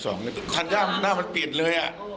เปลี่ยนปี๖๒ตอนนั้นอันนั้นหน้ามันเปลี่ยนเลย